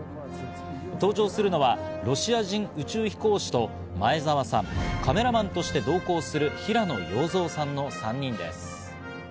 搭乗するのはロシア人宇宙飛行士と前澤さん、カメラマンとして同行する平野陽三さんの３人です。